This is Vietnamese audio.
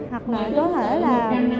hoặc có thể là